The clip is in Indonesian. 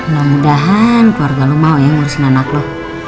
semoga keluarga lo mau ngurusin anak lo